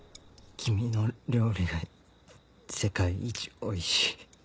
君の料理が世界一おいしい。